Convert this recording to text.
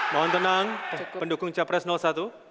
mohon tenang pendukung capres satu